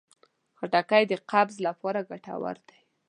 خټکی د قبض لپاره ګټور دی.